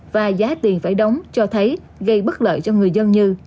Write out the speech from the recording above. và giá tiền phải đóng cho thấy gây bất lợi cho người dân như